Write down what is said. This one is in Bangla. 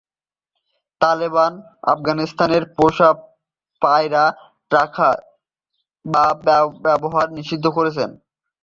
তালেবানরা আফগানিস্তানে পোষা পায়রা রাখা বা ব্যবহার নিষিদ্ধ করেছে।